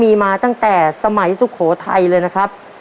มีมาตั้งแต่สมัยสุโขทัยเลยนะครับ